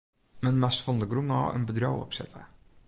Men moast fan de grûn ôf in bedriuw opsette.